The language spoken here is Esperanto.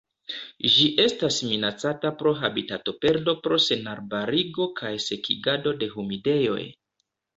Ĝi estas minacata pro habitatoperdo pro senarbarigo kaj sekigado de humidejoj.